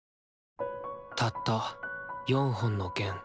たった４本の弦。